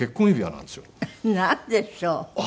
なんでしょう？